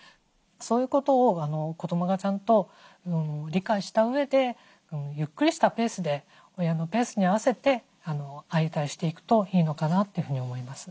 そういうことを子どもがちゃんと理解したうえでゆっくりしたペースで親のペースに合わせて相対していくといいのかなというふうに思います。